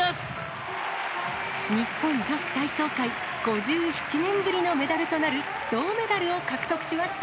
日本女子体操界５７年ぶりのメダルとなる銅メダルを獲得しました。